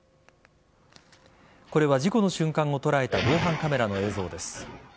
これは事故の瞬間を捉えた防犯カメラの映像です。